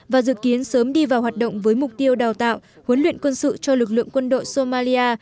và dự kiến sớm đi vào hoạt động với mục tiêu đào tạo huấn luyện quân sự cho lực lượng quân đội somali